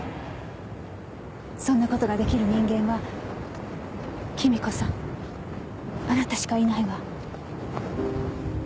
そんなことができる人間は君子さんあなたしかいないわ。